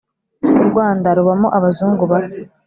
urwanda rubamo abazungu bake